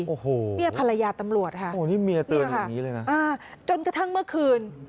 โอ้โฮนี่พรรยาตำรวจค่ะนี่ค่ะจนกระทั่งเมื่อคืน